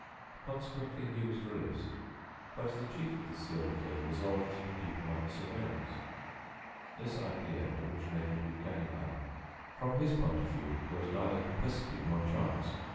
Consequently, he was released; but the chief of the Sûrété resolved to keep him under surveillance. This idea originated with Ganimard. From his point of view there was neither complicity nor chance.